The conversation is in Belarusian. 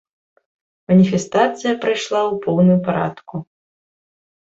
Маніфестацыя прайшла ў поўным парадку.